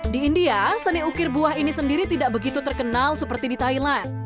di india seni ukir buah ini sendiri tidak begitu terkenal seperti di thailand